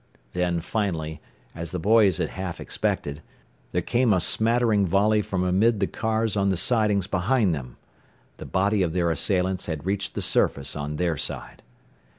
Then finally, as the boys had half expected, there came a smattering volley from amid the cars on the sidings behind them. The body of their assailants had reached the surface on their side.